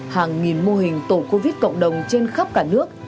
hàng nghìn mô hình tổ covid cộng đồng trên khắp cả nước